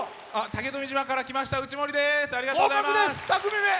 竹富島から来ましたうちもりです。